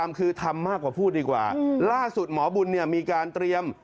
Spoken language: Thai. เพราะอะไรโดนถล่ม